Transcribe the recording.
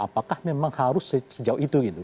apakah memang harus sejauh itu gitu